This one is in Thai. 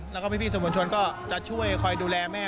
แล้วก็พี่สมมวลชนก็จะช่วยคอยดูแลแม่